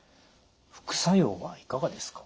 副作用はいかがですか？